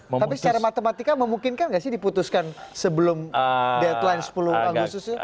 tapi secara matematika memungkinkan nggak sih diputuskan sebelum deadline sepuluh agustus ini